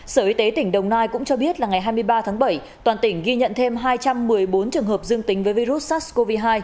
sở y tế tỉnh đồng nai cũng cho biết là ngày hai mươi ba tháng bảy toàn tỉnh ghi nhận thêm hai trăm một mươi bốn trường hợp dương tính với virus sars cov hai